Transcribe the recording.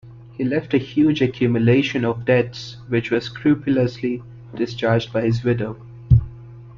He left a huge accumulation of debts which was scrupulously discharged by his widow.